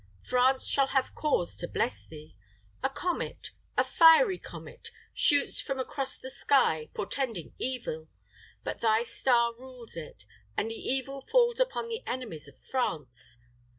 France shall have cause to bless thee. A comet a fiery comet shoots forth across the sky, portending evil; but thy star rules it, and the evil falls upon the enemies of France.